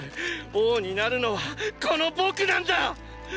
王になるのはこの僕なんだァ！